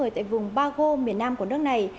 tại vùng bago miền nam của nước này